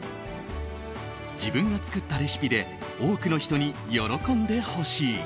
自分が作ったレシピで多くの人に喜んでほしい。